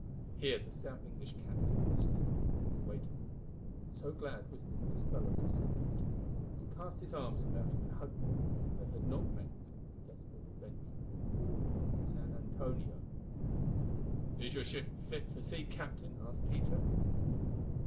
Here the stout English captain, Smith, was waiting for them, and so glad was the honest fellow to see Peter that he cast his arms about him and hugged him, for they had not met since that desperate adventure of the boarding of the San Antonio. "Is your ship fit for sea, Captain?" asked Peter.